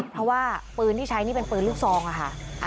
เพราะว่าปืนที่ใช้นี่เป็นปืนลูกซองค่ะ